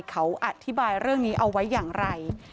เขาอธิบายเรื่องนี้เอาไว้อย่างไร